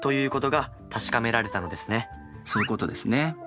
そういうことですね。